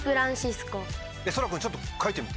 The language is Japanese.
そら君ちょっと書いてみて。